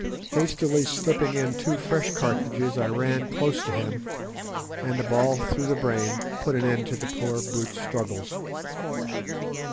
Hastily slipping in two fresh cartridges I ran close up to him, and a ball through the brain put an end to the poor brute's struggles.